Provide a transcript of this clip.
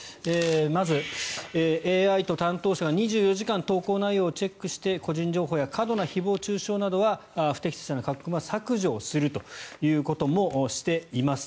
まずＡＩと担当者が２４時間投稿内容をチェックして個人情報や過度な誹謗・中傷など不適切な書き込みは削除するということもしています。